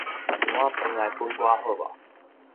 一碗飯來分我好無？